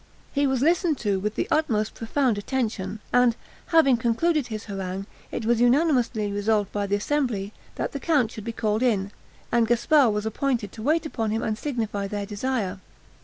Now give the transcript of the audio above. He was listened to with the most profound attention; and, having concluded his harangue, it was unanimously resolved by the assembly, that the count should be called in, and Gasparre was appointed to wait upon him and signify their desire.